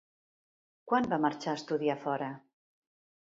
Quan va marxar a estudiar fora?